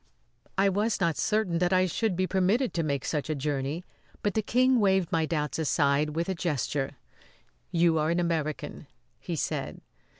I was not certain that I should be permitted to make such a journey, but the King waved my doubts aside with a gesture. "You are an American," he said.